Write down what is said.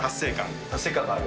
達成感がある。